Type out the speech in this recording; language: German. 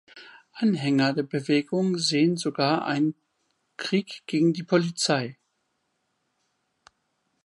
Anhänger der Bewegung sehen sogar einen „Krieg gegen die Polizei“.